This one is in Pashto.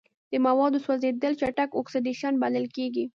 د موادو سوځیدل چټک اکسیدیشن بلل کیږي.